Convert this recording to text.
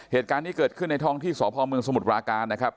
เหตุการณ์นี้เกิดขึ้นในท้องที่สพเมืองสมุทรปราการนะครับ